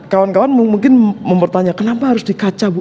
kawan kawan mungkin mempertanya kenapa harus dikaca bu